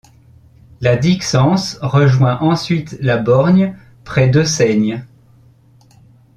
La Dixence rejoint ensuite la Borgne près d'Euseigne.